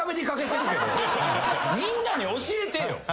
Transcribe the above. みんなに教えてよ。